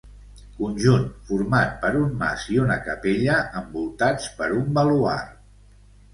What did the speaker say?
Conjunt format per un mas i una capella envoltats per un baluard.